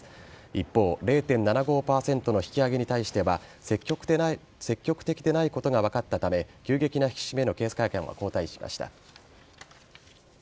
一方、０．７５％の引き上げに対しては積極的でないことが分かったため急激な引き締めへの警戒感は後退しました。